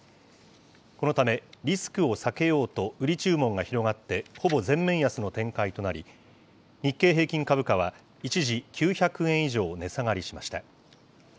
このため、リスクを避けようと売り注文が広がって、ほぼ全面安の展開となり、日経平均株価は一時９００円以上値下がりしました。